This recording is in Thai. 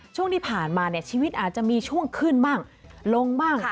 ช่วงที่ผ่านมาเนี่ยชีวิตอาจจะมีช่วงขึ้นบ้างลงบ้าง